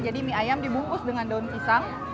jadi mie ayam dibungkus dengan daun pisang